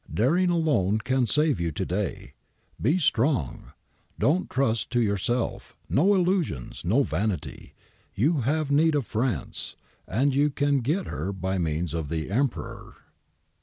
... Daring alone can save you to day. Be strong. Don't trust to yourself, no illusions, no vanity, you have need of France and you can get her by means of the Emperor.